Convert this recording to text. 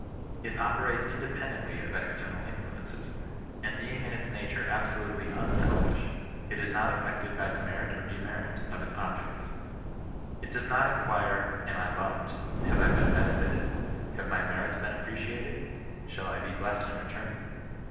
It ope rates independently of extemsJ influences, and being in its nature absolutely unsel^shy is not affected by the merit or demerit of its objects. It does not inquire " am I loved 1 have I been benefited 1 have my merits been appreciated 1 shall I be blessed in return